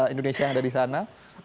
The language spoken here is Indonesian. indonesia yang ada di sana